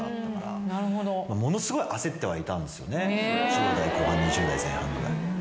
１０代後半２０代前半ぐらい。